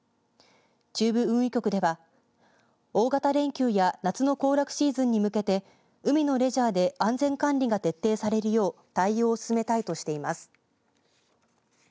中部運輸局では大型連休や夏の行楽シーズンに向けて海のレジャーで安全管理が徹底されるよう対応を進めたいとしています。